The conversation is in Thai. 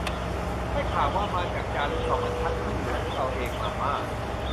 ได้ข่าวว่า มาจากจารึกสองบรรทัด ที่เหลือนึกเอาเอง มาม่า